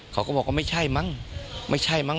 เขาก็บอกว่าไม่ใช่มั้งไม่ใช่มั้